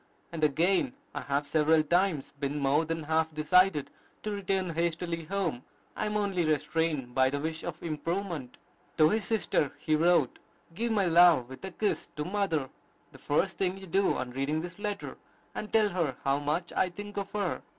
And again, "I have several times been more than half decided to return hastily home: I am only restrained by the wish of improvement." To his sister he wrote, "Give my love with a kiss to mother, the first thing you do on reading this letter, and tell her how much I think of her."